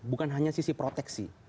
bukan hanya sisi proteksi